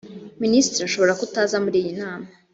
minisitiri ashobora kutaza muri iyi nama